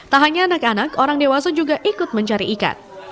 tak hanya anak anak orang dewasa juga ikut mencari ikan